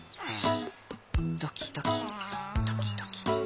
ドキドキドキドキ。